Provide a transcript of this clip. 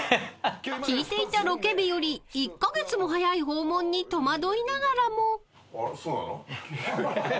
［聞いていたロケ日より１カ月も早い訪問に戸惑いながらも］